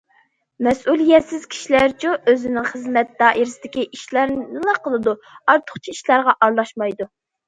مەسئۇلىيەتسىز كىشىلەرچۇ؟ ئۆزىنىڭ خىزمەت دائىرىسىدىكى ئىشلارنىلا قىلىدۇ، ئارتۇقچە ئىشلارغا ئارىلاشمايدۇ.